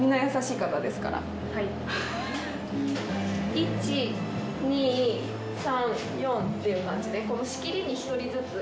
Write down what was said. １２３４っていう感じでこの仕切りに１人ずつ。